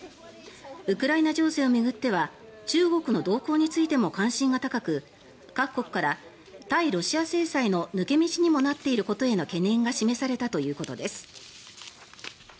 ウクライナ情勢を巡っては中国の動向についても関心が高く各国から対ロシア制裁の抜け道にもなっていることへの懸念が示されたということです。